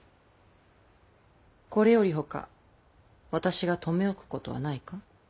これよりほか私が留め置くことはないか？